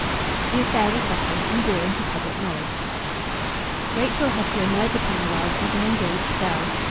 The affair was settled, and grew into public knowledge. Rachel had to emerge upon the world as an engaged girl.